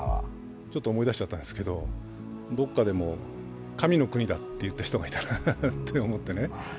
ちょっと思い出しちゃったんですけどどこかでも、神の国だって言った人がいたなと思ってね。